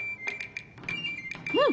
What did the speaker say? うん！